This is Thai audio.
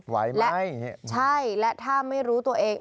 ไหวไหมอย่างนี้อืมใช่และถ้าไม่รู้ตัวเอง